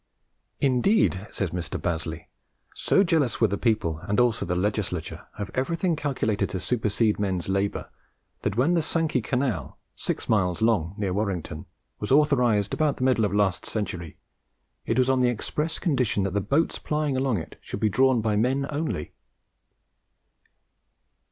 Indeed, says Mr. Bazley, "so jealous were the people, and also the legislature, of everything calculated to supersede men's labour, that when the Sankey Canal, six miles long, near Warrington, was authorized about the middle of last century, it was on the express condition that the boats plying on it should be drawn by men only!"